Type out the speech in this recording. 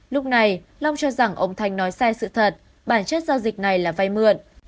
lúc này long cho rằng ông thanh nói sai sự thật bản chất giao dịch này là vay mượn